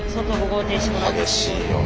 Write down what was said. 激しいよな。